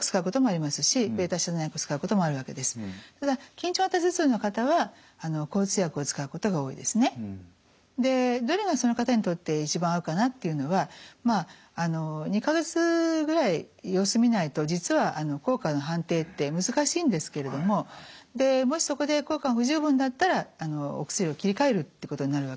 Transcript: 緊張型頭痛なのかっていうことを見極めることが大事でどれがその方にとって一番合うかなというのはまあ２か月ぐらい様子見ないと実は効果の判定って難しいんですけれどももしそこで効果が不十分だったらお薬を切り替えるってことになるわけです。